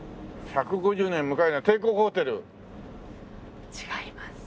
１５０年迎えるのは帝国ホテル？違います。